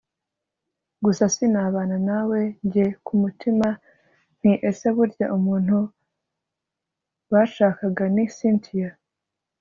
gusa sinabana nawe! njye kumutima nti ese burya umuntu bashakaga ni cyntia